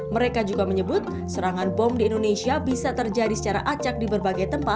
mereka juga menyebut serangan bom di indonesia bisa terjadi secara acak di berbagai tempat